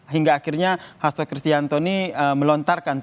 hingga akhirnya hastoni kristianto nih melontar ke mana